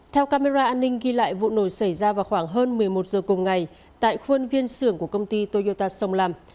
theo camera an ninh ghi lại vụ nổ xảy ra vào khoảng hơn một mươi một giờ cùng ngày tại khuôn viên xưởng của công ty toyota sông lam